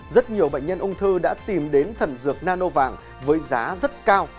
rất nhiều bệnh nhân ung thư đã tìm đến thần dược nano vàng với giá rất cao